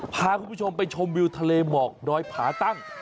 พาคุณผู้ชมไปชมวิวทะเลหมอกดอยผาตั้ง